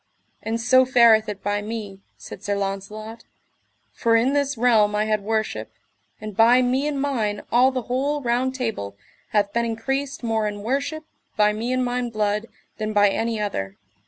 And so fareth it by me, said Sir Launcelot, for in this realm I had worship, and by me and mine all the whole Round Table hath been increased more in worship, by me and mine blood, than by any other.